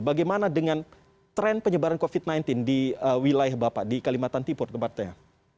bagaimana dengan tren penyebaran covid sembilan belas di wilayah bapak di kalimantan timur tempatnya